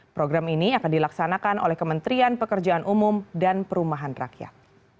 program ini akan dilaksanakan oleh kementerian pekerjaan umum dan perumahan rakyat